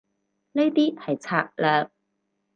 呢啲係策略